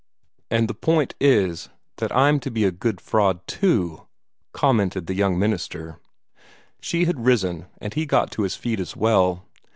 "And the point is that I'm to be a good fraud, too," commented the young minister. She had risen, and he got to his feet as well.